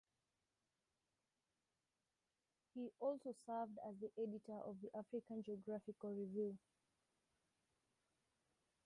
He also served as the editor of the African Geographical Review.